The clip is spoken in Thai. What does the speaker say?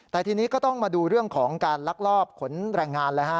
แต่ทีนี้ก็ต้องมาดูเรื่องของการลักลอบขนแรงงานเลยฮะ